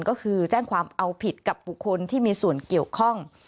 ก็คือแจ้งความเอาผิดกับบุคคลที่มีส่วนเกี่ยวข้อง